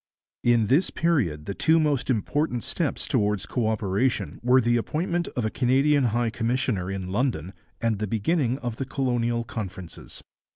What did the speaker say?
In this period the two most important steps towards co operation were the appointment of a Canadian High Commissioner in London and the beginning of the Colonial Conferences.